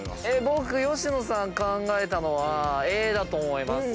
僕吉野さん考えたのはＡだと思います。